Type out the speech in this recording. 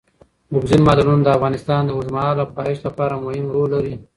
اوبزین معدنونه د افغانستان د اوږدمهاله پایښت لپاره مهم رول لري.